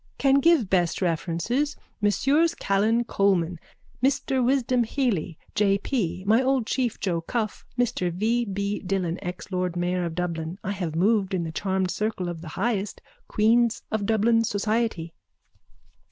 _ Can give best references. Messrs Callan, Coleman. Mr Wisdom Hely J. P. My old chief Joe Cuffe. Mr V. B. Dillon, ex lord mayor of Dublin. I have moved in the charmed circle of the highest... Queens of Dublin society.